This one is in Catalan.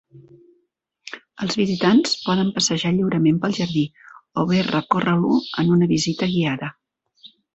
Els visitants poden passejar lliurement pel jardí o bé recórrer-lo en una visita guiada.